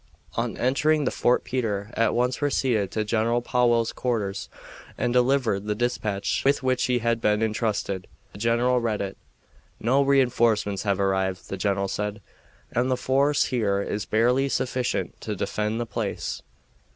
On entering the fort Peter at once proceeded to General Powell's quarters and delivered the dispatch with which he had been intrusted. The general read it. "No re enforcements have arrived," the general said, "and the force here is barely sufficient to defend the place.